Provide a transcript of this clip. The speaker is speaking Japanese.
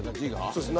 そうです。